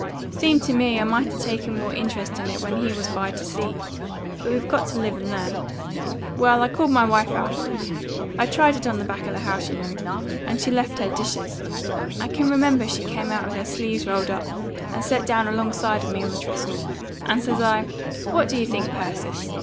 Seemed to me I might 'a taken more interest in it when he was by to see; but we've got to live and learn. Well, I called my wife out, I'd tried it on the back of the house, you know, and she left her dishes, I can remember she came out with her sleeves rolled up and set down alongside of me on the trestle, and says I, 'What do you think, Persis?'